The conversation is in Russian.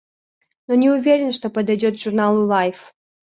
Но не уверен, что подойдет журналу «Лайф».